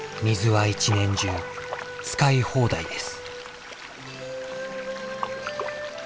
水は一年中使い放題です。